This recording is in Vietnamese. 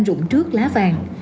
rụng trước lá vàng